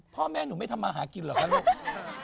พ่อแม่หนูไม่ทำมาหากินเหรอคะลูก